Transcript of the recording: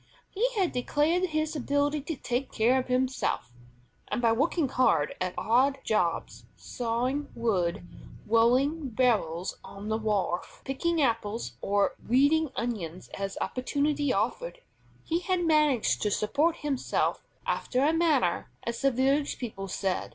He had declared his ability to take care of himself, and by working hard at odd jobs, sawing wood, rolling barrels on the wharf, picking apples or weeding onions as opportunity offered, he had managed to support himself "after a manner," as the village people said.